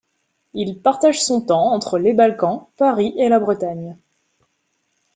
Il partage son temps entre les Balkans, Paris et la Bretagne.